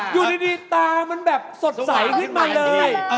อยู่ดีตามันแบบสดใสขึ้นมาเลย